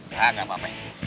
hah gak apa apa